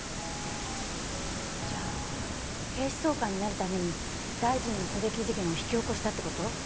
じゃあ警視総監になるために大臣の狙撃事件を引き起こしたって事？